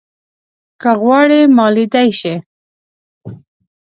که غواړې ما ليدای شې